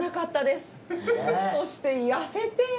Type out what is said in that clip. そしてやせて。